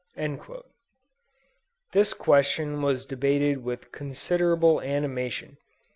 This question was debated with considerable animation.